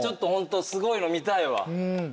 すごいの見たいわ。